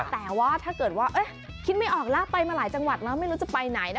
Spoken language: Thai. แต่ว่าถ้าเกิดว่าคิดไม่ออกแล้วไปมาหลายจังหวัดแล้วไม่รู้จะไปไหนนะ